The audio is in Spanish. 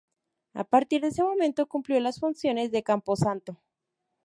A partir de ese momento, cumplió las funciones de camposanto.